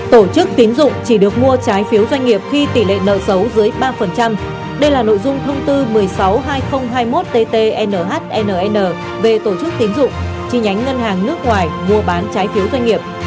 trái phiếu doanh nghiệp khi tỷ lệ nợ xấu dưới ba đây là nội dung thông tư một mươi sáu hai nghìn hai mươi một tt nhnn về tổ chức tín dụng chi nhánh ngân hàng nước ngoài mua bán trái phiếu doanh nghiệp